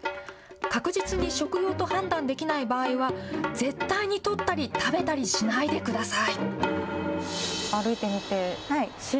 確実に食用と判断できない場合は、絶対に取ったり食べたりしないでください。